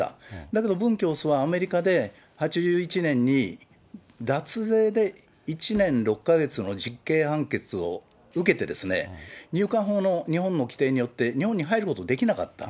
だけど、文教祖は、アメリカで８１年に脱税で１年６か月の実刑判決を受けて、入管法の日本の規定によって、日本に入ることできなかった。